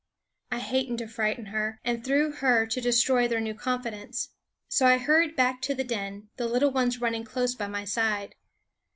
I hated to frighten her, and through her to destroy their new confidence; so I hurried back to the den, the little ones running close by my side.